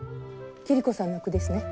桐子さんの句ですね。